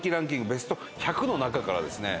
ベスト１００の中からですね